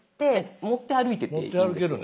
持って歩いてっていいんですもんね。